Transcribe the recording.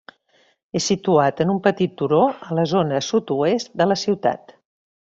És situat en un petit turó a la zona sud-oest de la ciutat.